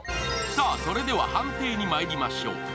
さぁ、それでは判定にまいりましょう。